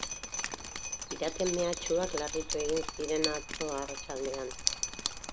Piraten mehatxuak larritu egin ziren atzo arratsaldean.